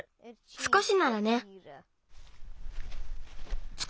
すこしならね。